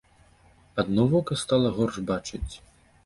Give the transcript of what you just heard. Адно вока стала горш бачыць.